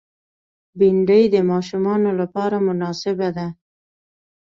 بېنډۍ د ماشومانو لپاره مناسبه ده